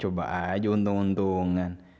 coba aja untung untungan